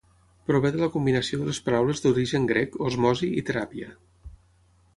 Prové de la combinació de les paraules d'origen grec, osmosi i teràpia.